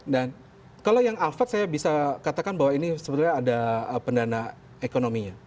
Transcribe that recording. dan kalau yang alphard saya bisa katakan bahwa ini sebenarnya ada pendana ekonominya